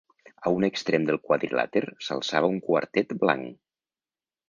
A un extrem del quadrilàter s'alçava un quartet blanc.